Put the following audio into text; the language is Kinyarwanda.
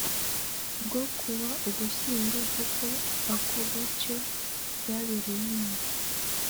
bwo ku wa ugushyingo kuko ako gace byabereyemo